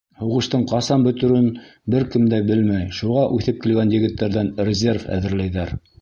Һуғыштың ҡасан бөтөрөн бер кем дә белмәй, шуға үҫеп килгән егеттәрҙән резерв әҙерләйҙәр.